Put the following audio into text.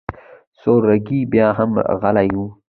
سورکی بياهم غلی و.